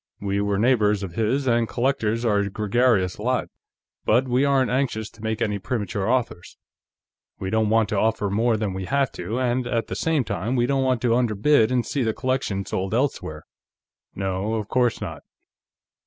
"We were neighbors of his, and collectors are a gregarious lot. But we aren't anxious to make any premature offers. We don't want to offer more than we have to, and at the same time, we don't want to underbid and see the collection sold elsewhere." "No, of course not."